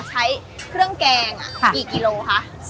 ใช้เครื่องแกงกี่กิโลคะ